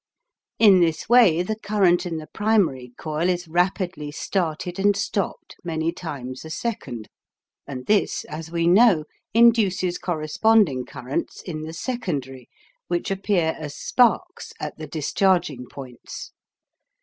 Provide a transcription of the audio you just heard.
In this way the current in the primary coil is rapidly started and stopped many times a second, and this, as we know, induces corresponding currents in the secondary which appear as sparks at the discharging points.